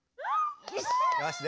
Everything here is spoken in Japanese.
よし！